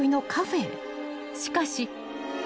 ［しかし］